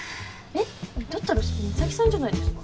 えっだったらそれ美咲さんじゃないですか？